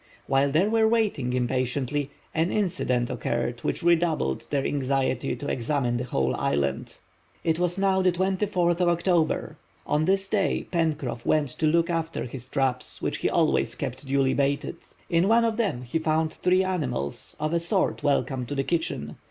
While they were waiting impatiently, an incident occurred which redoubled their anxiety to examine the whole island. It was now the 24th of October. On this day Pencroff went to look after his traps which he always kept duly baited. In one of them, he found three animals, of a sort welcome to the kitchen.